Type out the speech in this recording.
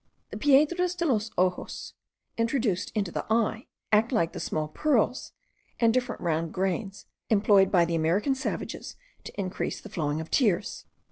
The piedras de los ojos, introduced into the eye, act like the small pearls, and different round grains employed by the American savages to increase the flowing of tears.